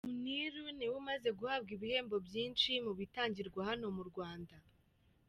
Muniru niwe umaze guhabwa ibihembo byinshi mu bitangirwa hano mu Rwanda.